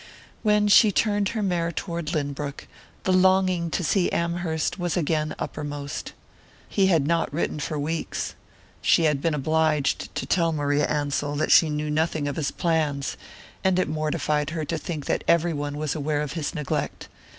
When she turned her mare toward Lynbrook, the longing to see Amherst was again uppermost. He had not written for weeks she had been obliged to tell Maria Ansell that she knew nothing of his plans, and it mortified her to think that every one was aware of his neglect.